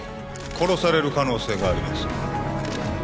殺される可能性があります